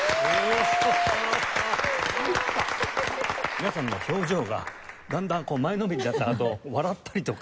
皆さんの表情がだんだん前のめりになったあと笑ったりとか。